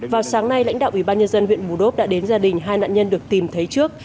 vào sáng nay lãnh đạo ủy ban nhân dân huyện bù đốp đã đến gia đình hai nạn nhân được tìm thấy trước